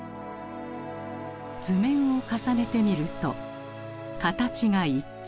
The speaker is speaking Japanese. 図面を重ねてみると形が一致。